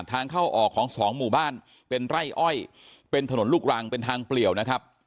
ทางเข้าออกของสองหมู่บ้านเป็นไร่อ้อยเป็นถนนลูกรังเป็นทางเปลี่ยวนะครับ